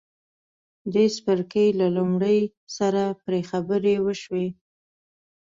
دې څپرکي له لومړي سره پرې خبرې وشوې.